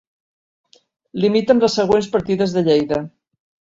Limita amb les següents partides de Lleida.